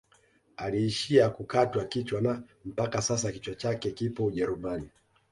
Aliishia kukatwa kichwa na mpaka sasa kichwa chake kipo ujerumani